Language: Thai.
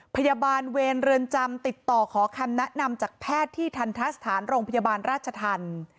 พยาบาลเวรเรือนจำติดต่อขอคำแนะนำจากแพทย์ที่ทันทะสถานโรงพยาบาลราชธรรม